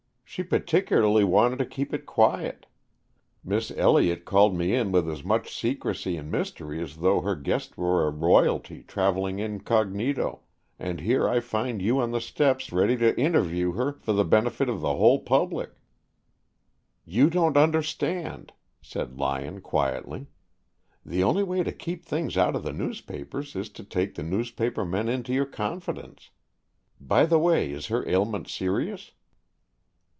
She particularly wanted to keep it quiet. Miss Elliott called me in with as much secrecy and mystery as though her guest were a royalty traveling incog., and here I find you on the steps ready to interview her for the benefit of the whole public." "You don't understand," said Lyon quietly. "The only way to keep things out of the newspapers is to take the newspaper men into your confidence. By the way, is her ailment serious?"